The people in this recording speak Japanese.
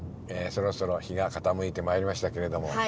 えそろそろ日が傾いてまいりましたけれども。